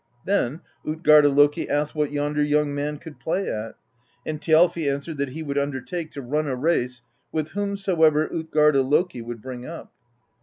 "Then tJtgarda Loki asked what yonder young man could play at; and Thjalfi answered that he would under take to run a race with whomsoever Utgarda Loki would bring up.